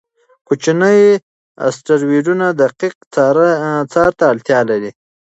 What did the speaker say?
کوچني اسټروېډونه دقیق څار ته اړتیا لري.